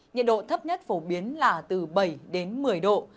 nhiệt độ thấp nhất phổ biến là từ bảy đến một mươi độ